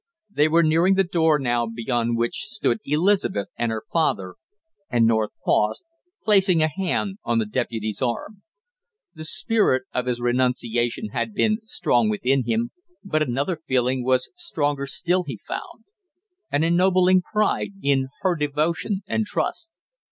They were nearing the door now beyond which stood Elizabeth and her father, and North paused, placing a hand on the deputy's arm. The spirit of his renunciation had been strong within him, but another feeling was stronger still, he found; an ennobling pride in her devotion and trust.